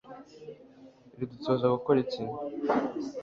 ridutoza gukora iki